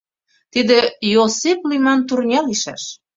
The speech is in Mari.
Тиде Йо́осеп лӱман турня лийшаш.